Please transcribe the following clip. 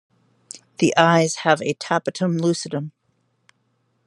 The eyes have a tapetum lucidum.